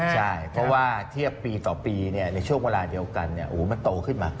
ใช่เพราะว่าเทียบปีต่อปีในช่วงเวลาเดียวกันมันโตขึ้นมา